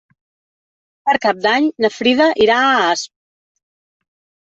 Per Cap d'Any na Frida irà a Asp.